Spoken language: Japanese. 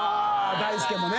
大輔もね。